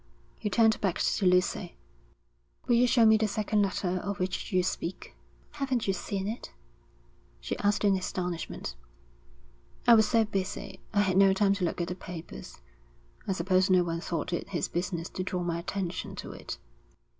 He turned back to Lucy. 'Will you show me the second letter of which you speak?' 'Haven't you seen it?' she asked in astonishment. 'I was so busy, I had no time to look at the papers. I suppose no one thought it his business to draw my attention to it.'